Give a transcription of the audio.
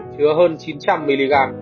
chứa hơn chín trăm linh mg